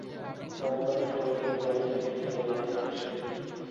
তার কথা শুনামাত্র জ্বরের ন্যায় কি যেন আমাকে স্পর্শ করল।